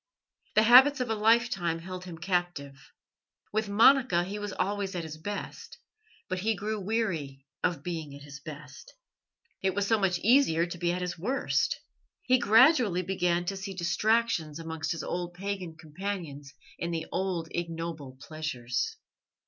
The habits of a lifetime held him captive. With Monica he was always at his best, but he grew weary of being at his best. It was so much easier to be at his worst. He gradually began to seek distractions amongst his old pagan companions in the old ignoble pleasures.